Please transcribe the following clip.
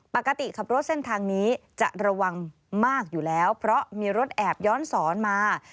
ปกติขับรถเส้นทางนี้จะระวังมากอยู่แล้วเพราะมีรถแอบย้อนสอนมา